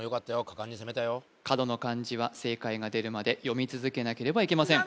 果敢に攻めたよ角の漢字は正解が出るまで読み続けなければいけません